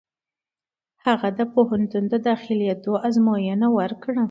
هغه د پوهنتون د داخلېدو ازموینه ورکړه.